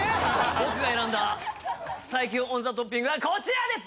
僕が選んだ最強オンザトッピングはこちらです